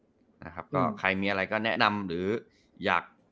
นะครับก็ใครมีอะไรก็แนะนำหรืออยาก